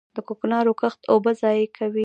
د کوکنارو کښت اوبه ضایع کوي.